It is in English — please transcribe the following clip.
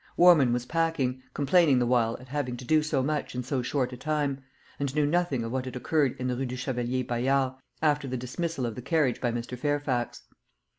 Warman was packing, complaining the while at having to do so much in so short a time, and knew nothing of what had occurred in the Rue du Chevalier Bayard, after the dismissal of the carriage by Mr. Fairfax.